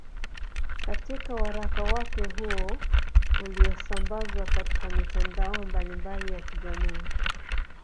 Katika waraka wake huo uliosambazwa katika mitandao mbalimbali ya kijamii